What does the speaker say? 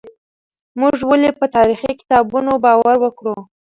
موږ ولې په تاريخي کتابونو باور وکړو؟